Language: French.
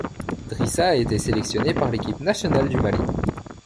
Drissa a été sélectionné par l'équipe nationale du Mali.